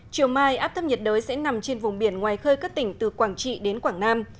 chiều mai áp thấp nhiệt đới sẽ nằm trên vùng biển ngoài khơi các tỉnh từ quảng trị đến quảng nam